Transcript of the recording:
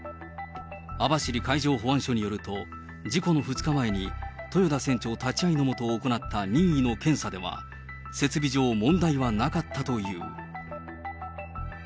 網走海上保安署によると、事故の２日前に、豊田船長立ち会いの下、行った任意の検査では、設備上問題はなかったという。